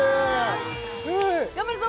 頑張るぞ！